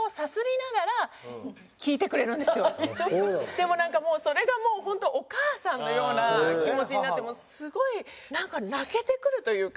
でもなんかそれがもうホントお母さんのような気持ちになってすごいなんか泣けてくるというか。